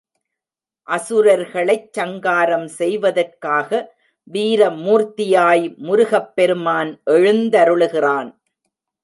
அசுரர்களைச் சங்காரம் செய்வதற்காக வீர மூர்த்தியாய் முருகப் பெருமான் எழுந்தருளுகிறான்.